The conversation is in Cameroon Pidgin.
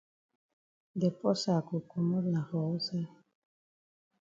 De porsa go komot na for wusaid?